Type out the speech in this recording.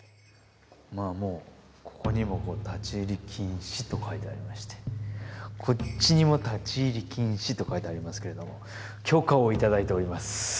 まあもうここにも「立入禁止」と書いてありましてこっちにも「立入禁止」と書いてありますけれども許可を頂いております。